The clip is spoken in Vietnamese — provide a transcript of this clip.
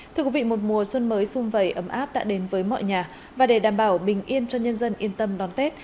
thưa quý vị một mùa xuân mới xung vầy ấm áp đã đến với mọi nhà và để đảm bảo bình yên cho nhân dân yên tâm đón tết